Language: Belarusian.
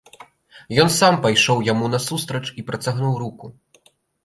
Ён сам пайшоў яму насустрач і працягнуў руку.